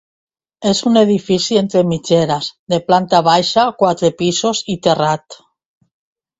És un edifici entre mitgeres de planta baixa, quatre pisos i terrat.